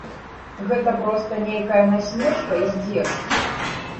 Гэта проста нейкая насмешка і здзек.